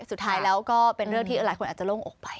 สุดท้ายแล้วก็เป็นเรื่องที่หลายคนอาจจะโล่งอกไป